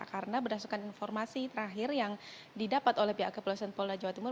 karena berdasarkan informasi terakhir yang didapat oleh pihak keperluan polda jawa timur